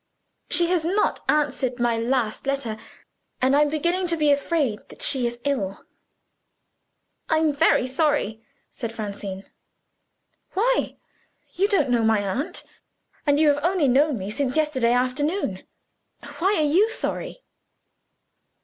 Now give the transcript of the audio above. She has not answered my last letter and I'm beginning to be afraid she is ill." "I'm very sorry," said Francine. "Why? You don't know my aunt; and you have only known me since yesterday afternoon. Why are you sorry?"